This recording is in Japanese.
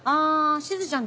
しずちゃん